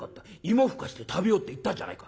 芋ふかして食べようって言ったじゃないか。